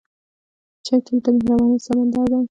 د چای تل د مهربانۍ سمندر دی.